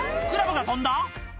クラブが飛んだ！